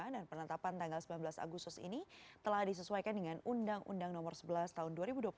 dan penantapan tanggal sembilan belas agustus ini telah disesuaikan dengan undang undang nomor sebelas tahun dua ribu dua puluh tiga